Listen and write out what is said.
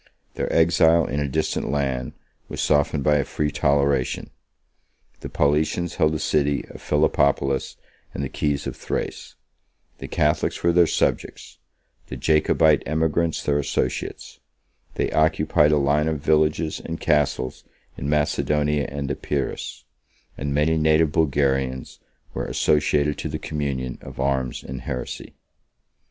Their exile in a distant land was softened by a free toleration: the Paulicians held the city of Philippopolis and the keys of Thrace; the Catholics were their subjects; the Jacobite emigrants their associates: they occupied a line of villages and castles in Macedonia and Epirus; and many native Bulgarians were associated to the communion of arms and heresy.